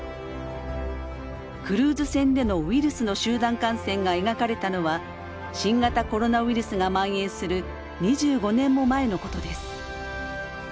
クルーズ船でのウイルスの集団感染が描かれたのは新型コロナウイルスがまん延する２５年も前のことです。